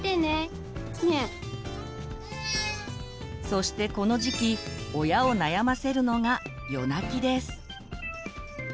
そしてこの時期親を悩ませるのが夜泣きです。